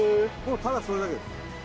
ただそれだけです